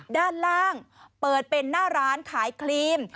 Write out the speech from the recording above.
ด้านล่างเปิดเป็นหน้าร้านขายครีม